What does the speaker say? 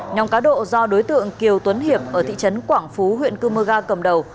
nhóm cá độ do đối tượng kiều tuấn hiệp ở thị trấn quảng phú huyện cư mơ ga cầm đầu